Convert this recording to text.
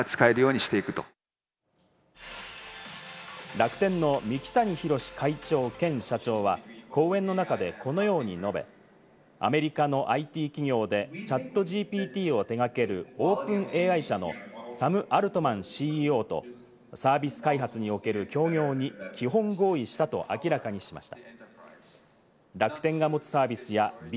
楽天の三木谷浩史会長兼社長は講演の中でこのように述べ、アメリカのＩＴ企業でチャットＧＰＴを手掛けるオープンＡＩ社のサム・アルトマンＣＥＯとサービス開発における協業に基本合意したと明らかにしました。